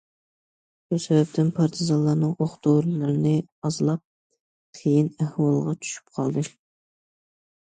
شۇ سەۋەبتىن پارتىزانلارنىڭ ئوق- دورىلىرىنى ئازلاپ، قىيىن ئەھۋالغا چۈشۈپ قالدى.